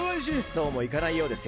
そうもいかないようですよ。